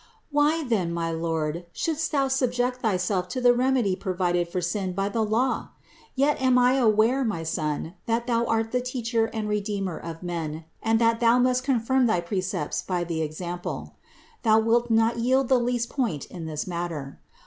Why then, my Lord, shouldst Thou subject thyself to the remedy provided for sin by the law ? Yet am I aware, my Son, that Thou art the Teacher and Redeemer of men and that Thou must confirm thy precepts by the example: Thou wilt not yield the least point in this matter.